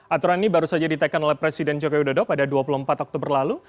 aturan ini baru saja ditekan oleh presiden joko widodo pada dua puluh empat oktober lalu